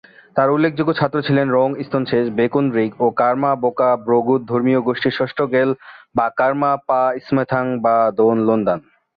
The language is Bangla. তার উল্লেখযোগ্য ছাত্র ছিলেন রোং-স্তোন-শেস-ব্যা-কুন-রিগ ও কার্মা-ব্কা'-ব্র্গ্যুদ ধর্মীয় গোষ্ঠীর ষষ্ঠ র্গ্যাল-বা-কার্মা-পা ম্থোং-বা-দোন-ল্দান